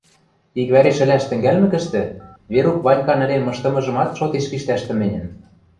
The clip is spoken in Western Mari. Иквӓреш ӹлӓш тӹнгӓлмӹкӹштӹ, Верук Ванькан ӹлен мыштымыжымат шотеш пиштӓш тыменьӹн.